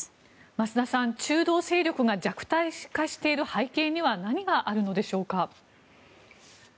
増田さん中道勢力が弱体化している背景には何があるのでしょうか。